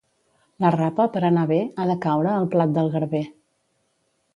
La rapa, per anar bé, ha de caure al plat del garber.